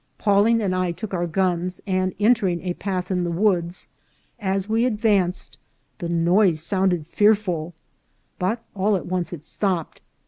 Pawling and I took our guns, and entering a path in the woods, as we advanced the noise sounded fearful, but all at once it stopped.